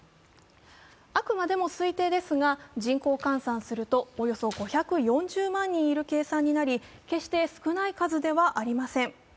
あくまでも推定ですが、人口換算するとおよそ５４０万人いる計算になり決して少ない数ではありません。